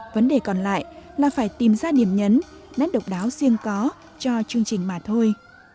vấn đề còn lại là phải tìm ra điểm nhấn nét độc đáo riêng có cho chương trình mà thôi